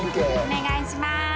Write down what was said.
お願いします。